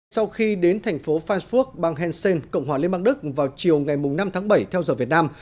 sau khi đến thành phố phanfurt bang hessen cộng hòa liên bang đức vào chiều ngày năm tháng bảy theo giờ việt nam